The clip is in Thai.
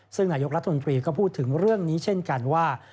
ซึ่งนายกรรมการกฤษฎีกาซึ่งพูดถึงเรื่องนี้เช่นกันว่า